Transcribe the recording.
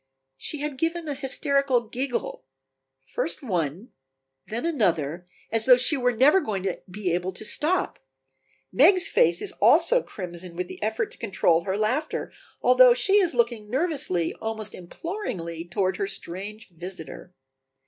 She had given a hysterical giggle, first one, then another, as though she were never going to be able to stop. Meg's face is also crimson with the effort to control her laughter, although she is looking nervously, almost imploringly, toward her strange visitor.